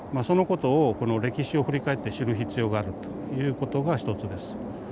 そのことをこの歴史を振り返って知る必要があるということが一つです。